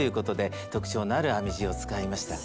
スタジオ特徴のある編み地を使いました。